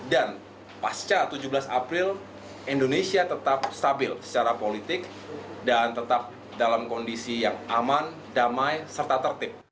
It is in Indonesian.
dan pasca tujuh belas april indonesia tetap stabil secara politik dan tetap dalam kondisi yang aman damai serta tertib